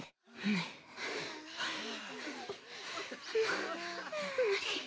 もう無理。